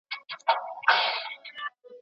زوی به بېرته کور ته راسي.